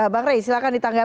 bang rey silahkan ditanggapi